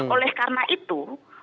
oleh karena itu